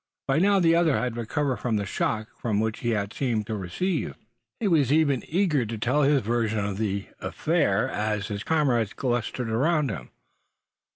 By now the other had recovered from the shock which he seemed to have received. He was even eager to tell his version of the affair, as his comrades clustered around him.